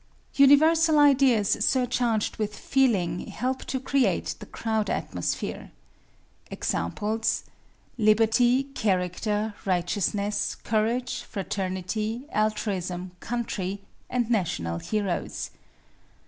Universal ideas surcharged with feeling help to create the crowd atmosphere. Examples: liberty, character, righteousness, courage, fraternity, altruism, country, and national heroes.